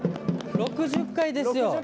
６０回ですよ。